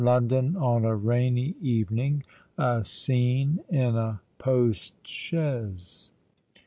LONDON ON A RAINY EVENING.—A SCENE IN A POST CHAISE.